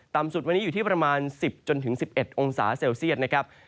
สุดวันนี้อยู่ที่ประมาณ๑๐๑๑องศาเซลเซียตนะครับ